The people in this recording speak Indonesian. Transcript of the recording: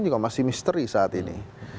juga masih misteri saat ini